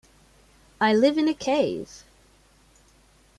I live in a cave.